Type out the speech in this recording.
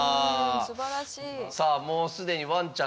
さあもう既にわんちゃん